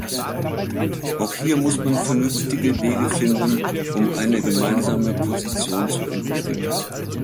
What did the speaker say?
Auch hier muss man vernünftige Wege finden, um eine gemeinsame Position zu entwickeln.